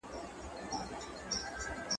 ايا ته سیر کوې،